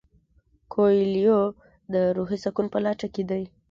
کویلیو د روحي سکون په لټه کې دی.